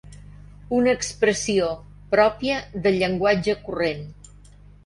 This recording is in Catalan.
Una expressió pròpia del llenguatge corrent.